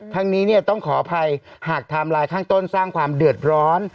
ทั้งนี้ต้องขออภัยหากไทม์ไลน์ข้างต้นสร้างความเดือดร้อน